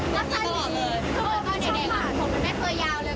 แล้วก็ตอนเด็กผมไม่เคยยาวเลย